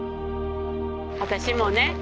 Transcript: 私もね